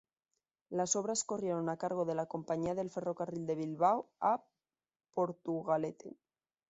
Las obras corrieron a cargo de la Compañía del Ferrocarril de Bilbao a Portugalete.